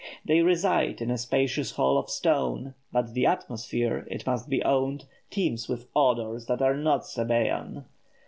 They reside in a spacious hall of stone, but the atmosphere, it must be owned, teems with odours that are not Sabæan.